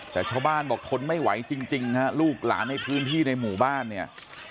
แต่ชาวบ้านบอกทนไม่ไหวจริงฮะลูกหลานในพื้นที่ในหมู่บ้านเนี่ย